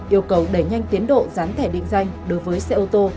yêu cầu đẩy nhanh tiến độ rán thẻ định danh đối với xe ô tô